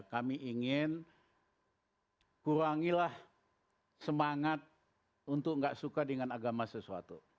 kami ingin kurangilah semangat untuk tidak suka dengan agama sesuatu